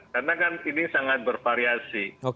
karena kan ini sangat bervariasi